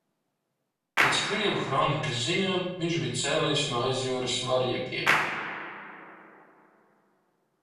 Pēc krievu hronikas ziņām viņš bija cēlies no aizjūras varjagiem.